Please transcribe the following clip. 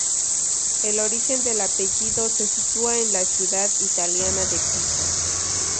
El origen del apellido se sitúa en la ciudad italiana de Pisa.